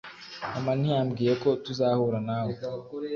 mama ntiyambwiye ko tuzahura nawe